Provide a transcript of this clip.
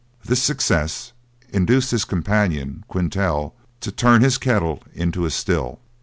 This success induced his companion Quintal to turn his kettle into a still.